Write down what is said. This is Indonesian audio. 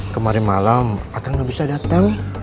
kemarin malam akang gak bisa datang